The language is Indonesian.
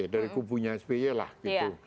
dari kubunya sby lah gitu